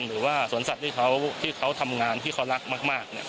หรือว่าสวนสัตว์ที่เขาทำงานที่เขารักมาก